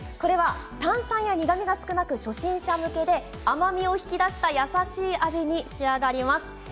炭酸や苦みが少なく初心者向けで甘みを引き出して優しい味に仕上がります。